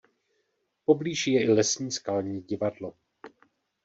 Poblíž je i lesní skalní divadlo.